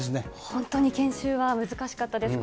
本当に研修は難しかったです。